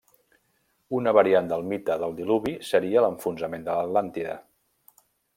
Una variant del mite del diluvi seria l'enfonsament de l'Atlàntida.